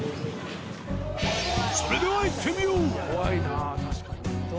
それではいってみよう。